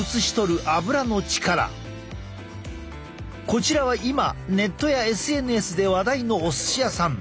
こちらは今ネットやＳＮＳで話題のお寿司屋さん。